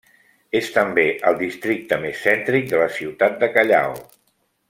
És també el districte més cèntric de la ciutat de Callao.